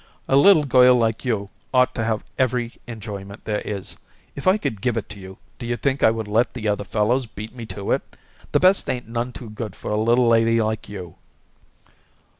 A little girl like you ought to have every enjoyment there is. If I could give it to you, do you think I would let the other fellows beat me to it? The best ain't none too good for a little lady like you."